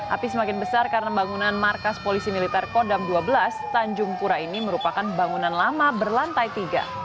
api semakin besar karena bangunan markas polisi militer kodam dua belas tanjung pura ini merupakan bangunan lama berlantai tiga